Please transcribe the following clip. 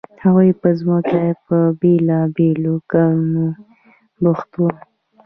هغوی په ځمکو کې په بیلابیلو کارونو بوخت وو.